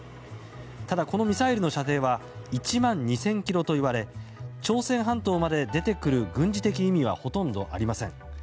ただ、このミサイルの射程は１万２０００ｋｍといわれ朝鮮半島まで出てくる軍事的意味はほとんどありません。